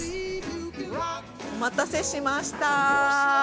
お待たせしました。